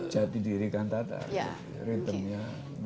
jadi diri kantata ritmenya